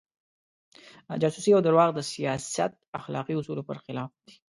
جاسوسي او درواغ د سیاست اخلاقي اصولو پر خلاف دي.